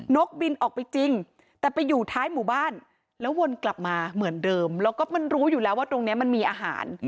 กบินออกไปจริงแต่ไปอยู่ท้ายหมู่บ้านแล้ววนกลับมาเหมือนเดิมแล้วก็มันรู้อยู่แล้วว่าตรงนี้มันมีอาหาร